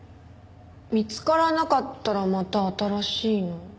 見つからなかったらまた新しいのを。